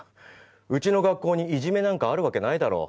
うちの学校にいじめなんかあるわけないだろ？